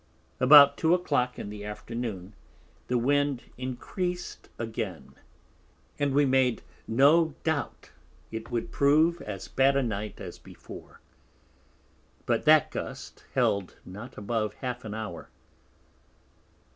About Two a Clock in the Afternoon, the Wind encreased again, and we made no doubt it would prove as bad a Night as before; but that Gust held not above Half an Hour.